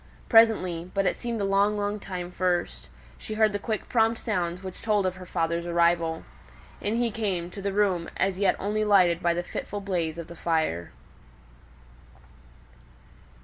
Presently, but it seemed a long long time first, she heard the quick prompt sounds which told of her father's arrival. In he came to the room as yet only lighted by the fitful blaze of the fire.